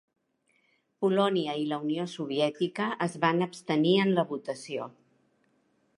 Polònia i la Unió Soviètica es van abstenir en la votació.